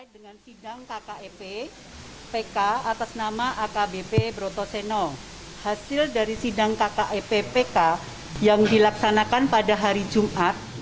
dengan sidang kkep pk atas nama akbp brotoseno hasil dari sidang kkep pk yang dilaksanakan pada hari jumat